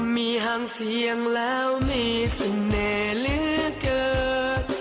มีห่างเสียงแล้วมีเสน่ห์เหลือเกิน